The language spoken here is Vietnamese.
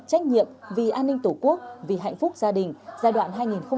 trách nhiệm vì an ninh tổ quốc vì hạnh phúc gia đình giai đoạn hai nghìn hai mươi hai hai nghìn hai mươi sáu